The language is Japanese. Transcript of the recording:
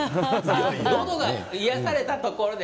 のどが癒やされたところで